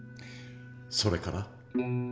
それから？